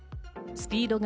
スピードが